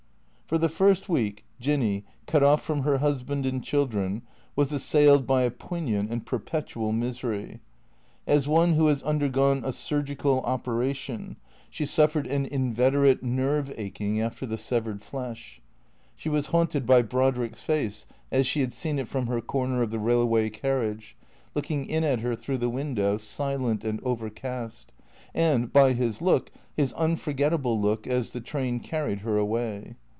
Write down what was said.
For the first week Jinny, cut off from her husband and children, was assailed by a poignant and perpetual misery. As one who has undergone a surgical operation, she suffered an in 457 458 THBCEEATOES veterate nerve aching after the severed flesh. She was haunted by Brodrick's face as she had seen it from her corner of the rail way carriage, looking in at her through the window, silent and overcast, and by his look, his unforgettable look as the train car ried her away.